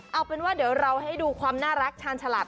เอาเป็นว่าเดี๋ยวเราให้ดูความน่ารักชาญฉลาด